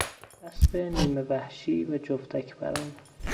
اسب نیمه وحشی و جفتک پران